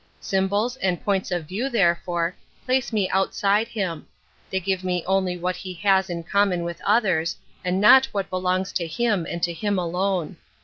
Symbols and points of view, therefore, place me outside him; they give me only what he has in cominou with others, and not what belongs to him and to him alone.